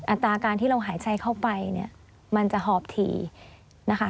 อัตราการที่เราหายใจเข้าไปเนี่ยมันจะหอบถี่นะคะ